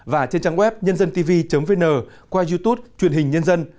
và trên trang web nhândântv vn qua youtube truyền hình nhân dân